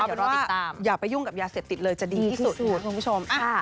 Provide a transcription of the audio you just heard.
ก็เป็นว่าอย่าไปยุ่งกับยาเสพติดเลยจะดีที่สุดนะคุณผู้ชม